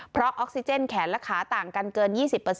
เพราะออกซิเจนแขนและขาต่างกันเกิน๒๐